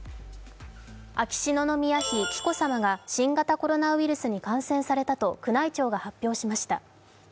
秋篠宮妃・紀子さまが新型コロナウイルスに感染されたと宮内庁が発表しました。